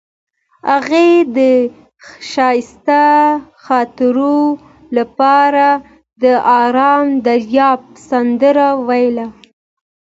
هغې د ښایسته خاطرو لپاره د آرام دریاب سندره ویله.